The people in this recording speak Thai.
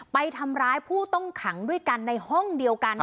ไปทำร้ายผู้ต้องขังด้วยกันในห้องเดียวกัน